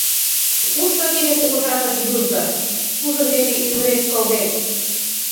Кушто тиде кугыжаныш, юзо, Кудын дене ӱмырет кылдет?